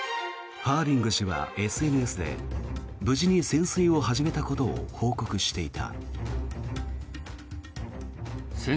ハーディング氏はＳＮＳで無事に潜水を始めたことを報告していた。